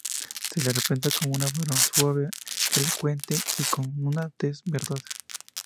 Se le representa como un varón suave, elocuente, y con una tez verdosa.